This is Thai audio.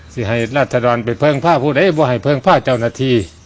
สิให้ราษฎรไปเพลิงพ่าพูดเอ๊ะบอกให้เพลิงพ่าเจ้าหน้าที